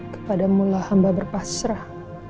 kepadamulah hamba berpasrah